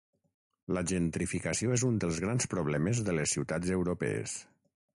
La gentrificació és un dels grans problemes de les ciutats europees.